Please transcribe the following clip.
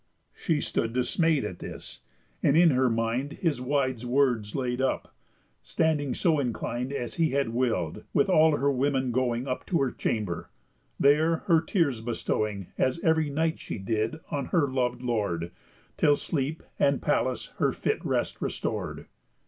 She stood dismay'd at this, and in her mind His wise words laid up, standing so inclin'd As he had will'd, with all her women going Up to her chamber, there her tears bestowing, As ev'ry night she did, on her lov'd lord, Till sleep and Pallas her fit rest restor'd.